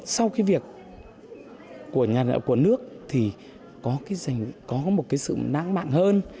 sau cái việc của nhà nợ của nước thì có một cái sự nãng mạng hơn